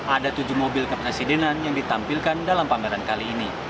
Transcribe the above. ada tujuh mobil kepresidenan yang ditampilkan dalam pameran kali ini